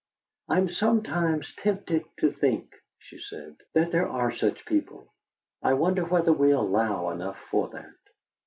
"I'm sometimes tempted to think," she said, "that there are such people. I wonder whether we allow enough for that.